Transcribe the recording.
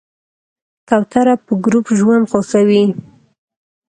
کوتره په ګروپ ژوند خوښوي.